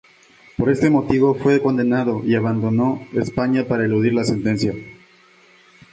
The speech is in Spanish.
Por este motivo fue condenado y abandonó España para eludir la sentencia.